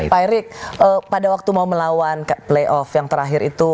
pak erick pada waktu mau melawan play off yang terakhir itu